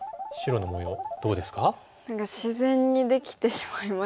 何か自然にできてしまいましたね。